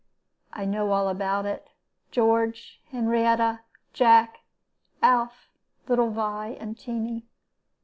I know all about it. George, Henrietta, Jack, Alf, little Vi, and Tiny.